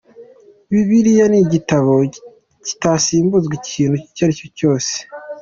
Bibiliya ni igitabo kitasimbuzwa ikintu icyo ari cyo cyose.